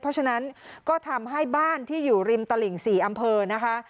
เพราะฉะนั้นก็ทำให้บ้านที่อยู่ริมตลิ่ง๔อำเภอนะคะ